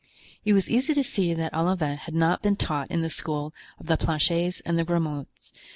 It was easy to see that Olivain had not been taught in the school of the Planchets and the Grimauds.